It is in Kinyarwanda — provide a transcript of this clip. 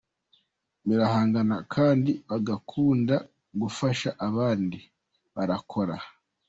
barihangana kandi bagakunda gufasha abandi. Barakora